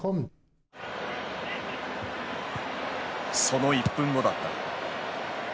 その１分後だった。